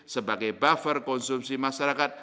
sebagai buffer konsumsi masyarakat